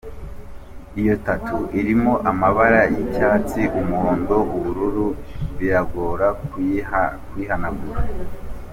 Iyo tattoo irimo amabara y’icyatsi, umuhondo n’ubururu, biragora kuyihanagura.